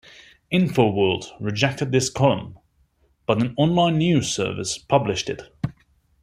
"InfoWorld" rejected this column, but an online news service published it.